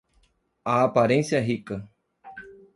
A aparência rica